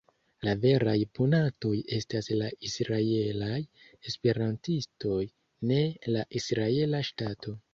La veraj punatoj estas la israelaj esperantistoj, ne la israela ŝtato.